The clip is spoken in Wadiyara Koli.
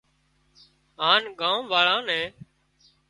هانَ ڳام واۯان نين